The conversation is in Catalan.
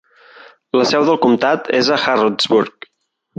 La seu del comtat és Harrodsburg.